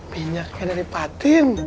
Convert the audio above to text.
minyaknya dari patin